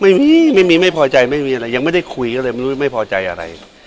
ไม่มีไม่มีไม่พอใจไม่มีอะไรยังไม่ได้คุยก็เลยไม่รู้ไม่พอใจอะไร